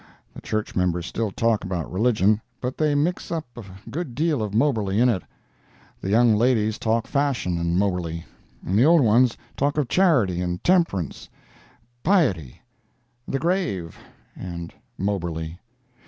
The church members still talk about religion, but they mix up a good deal of Moberly in it. The young ladies talk fashion and Moberly, and the old ones talk of charity and temperance, piety, the grave, and Moberly.